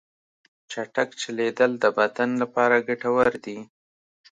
چټک چلیدل د بدن لپاره ګټور دي.